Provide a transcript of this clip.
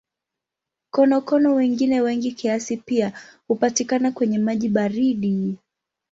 Konokono wengine wengi kiasi pia hupatikana kwenye maji baridi.